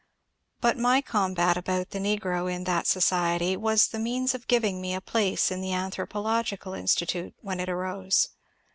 But my combat about the negro in that society was the means of giving me a place in the Anthro pological Institute when it arose.